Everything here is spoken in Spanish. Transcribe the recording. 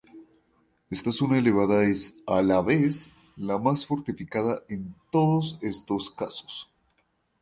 Esta zona elevada es, a la vez, la más fortificada en todos estos casos.